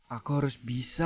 aku harus bisa